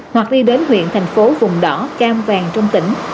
hoặc đi đến huyện thành phố vùng đỏ cam vàng trong tỉnh